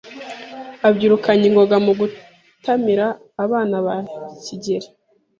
abyirukanye ingoga mu gutamira Abana ba Kigeri